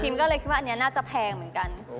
ก็เลยคิดว่าอันนี้น่าจะแพงเหมือนกัน